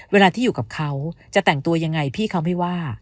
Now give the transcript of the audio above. เวลาที่อยู่กับเขาจะแต่งตัวยังไงพี่เขาไม่ว่า